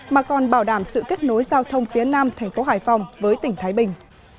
mà còn bảo đảm sự kết nối giao thông phía nam tp hải phòng với tp thái bình